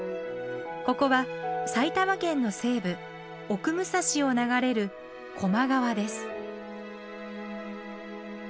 ここは埼玉県の西部奥武蔵を流れる高麗川です。